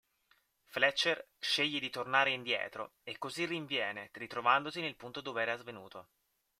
Fletcher sceglie di tornare indietro, e così rinviene, ritrovandosi nel punto dove era svenuto.